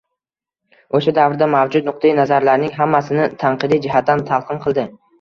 O‘sha davrda mavjud nuqtai nazarlarning hammasini tanqidiy jihatdan talqin qildi